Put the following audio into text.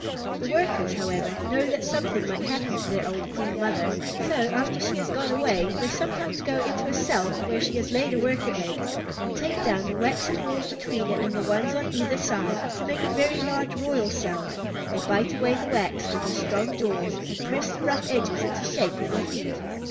The Workers, however, know that something might happen to their old Queen Mother, so, after she has gone away, they sometimes go into a cell where she has laid a Worker egg, and take down the waxen walls between it and the ones on either side to make a very large royal cell. They bite away the wax with their strong jaws and press the rough edges into shape with their feet.